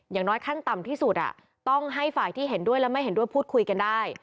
อย่างน้อยขั้นต่ำที่สุดต้องให้ฝ่ายที่เห็นด้วยและไม่เห็นด้วยพูดคุยกันได้